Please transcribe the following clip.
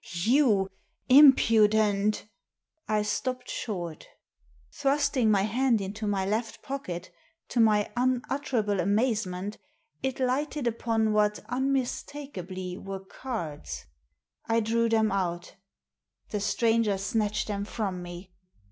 " You impudent I stopped short Thrusting my hand into my left pocket, to my unutterable amazement, it lighted upon what unmistakably were cards. I drew them out The stranger snatched them from me.